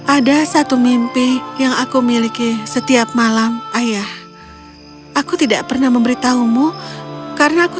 ada satu mimpi yang aku miliki setiap malam ayah aku tidak pernah memberitahumu karena aku